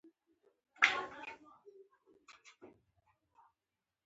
په بېلابېلو سفرون کې لیدنو هغه ته تجربه ور په برخه کړه.